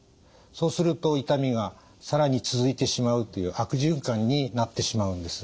そうすると痛みが更に続いてしまうという悪循環になってしまうんです。